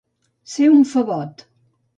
Ser un favot.